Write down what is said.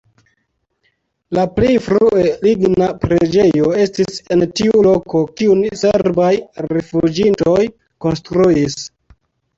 La plej frue ligna preĝejo estis en tiu loko, kiun serbaj rifuĝintoj konstruis.